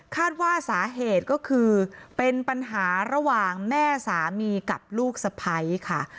คาดว่าสาเหตุก็คือเป็นปัญหาระหว่างแม่สามีกับลูกสะพ้ายค่ะ